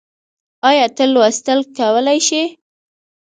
ايا ته لوستل کولی شې؟